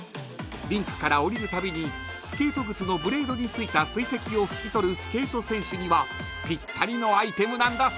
［リンクからおりるたびにスケート靴のブレードに付いた水滴を拭き取るスケート選手にはぴったりのアイテムなんだそう］